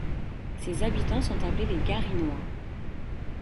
Ses habitants sont appelés les Garinois.